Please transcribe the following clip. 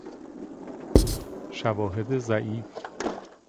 شواهد ضعیف